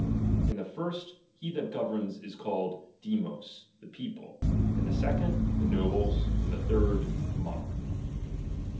In the first, he that governs is called S^/ioc, the people ; in the second, the nobles ; in the third, the Monarch.